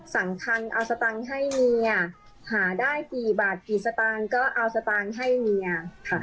สำคัญเอาสตางค์ให้เมียหาได้กี่บาทกี่สตางค์ก็เอาสตางค์ให้เมียค่ะ